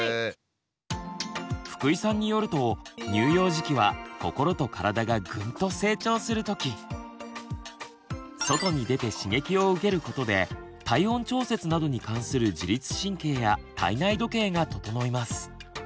福井さんによると外に出て刺激を受けることで体温調節などに関する自律神経や体内時計が整います。